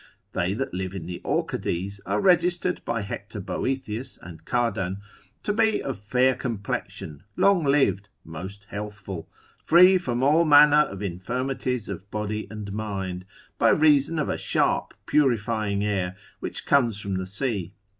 They that live in the Orcades are registered by Hector Boethius and Cardan, to be of fair complexion, long lived, most healthful, free from all manner of infirmities of body and mind, by reason of a sharp purifying air, which comes from the sea.